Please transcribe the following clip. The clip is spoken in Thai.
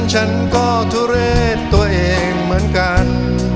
ฉันก็ทุเรศตัวเองเหมือนกัน